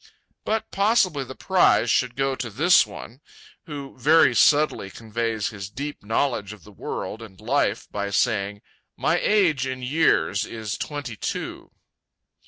But possibly the prize should go to this one, who very subtly conveys his deep knowledge of the world and life by saying: "My age, in years, is twenty two."